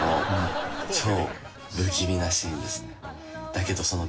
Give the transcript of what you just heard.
だけどその。